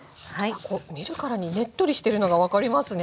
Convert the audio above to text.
見るからにねっとりしてるのが分かりますね。